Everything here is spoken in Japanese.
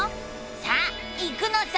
さあ行くのさ！